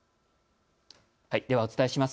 ではお伝えします。